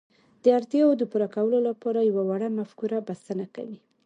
د اړتياوو د پوره کولو لپاره يوه وړه مفکوره بسنه کوي.